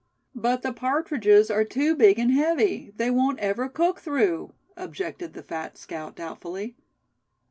"But the partridges are too big and heavy; they won't ever cook through?" objected the fat scout, doubtfully.